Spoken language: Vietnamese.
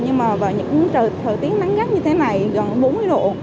nhưng mà vào những thời tiết nắng gắt như thế này gần bốn mươi độ